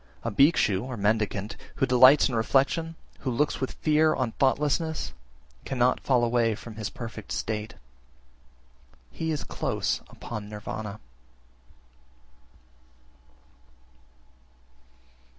32. A Bhikshu (mendicant) who delights in reflection, who looks with fear on thoughtlessness, cannot fall away (from his perfect state) he is close upon Nirvana.